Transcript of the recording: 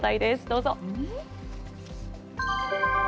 どうぞ。